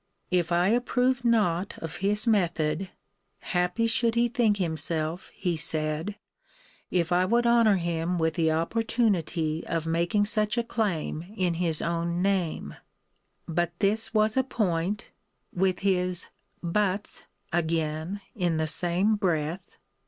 If I approved not of his method, happy should he think himself, he said, if I would honour him with the opportunity of making such a claim in his own name but this was a point [with his but's again in the same breath!